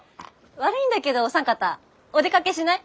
悪いんだけどお三方お出かけしない？